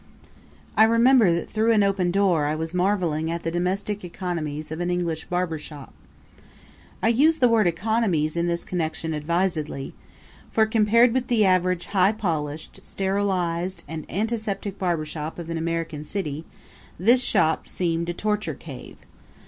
I remember that through an open door I was marveling at the domestic economies of an English barber shop. I use the word economies in this connection advisedly; for, compared with the average high polished, sterilized and antiseptic barber shop of an American city, this shop seemed a torture cave.